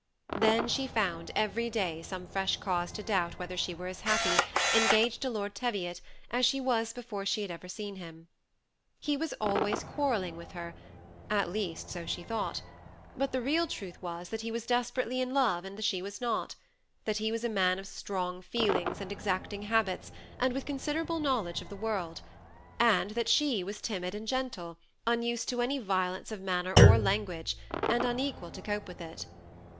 Then she found every day some fresh cause to doubt whether she were as happy, engaged to Lord Teviot, as she was before she had ever seen him. He was always quarrelling with 84 THE SEMI ATTACHED COUPLE. her, — at least so she thought ; but the real truth was, that he was desperately in love, and she was not ; that he was a man of strong feelings and exacting habits, and with considerable knowledge of the world; and that she was timid and gentle, unused to any violence of manner or language, and unequal to cope with it.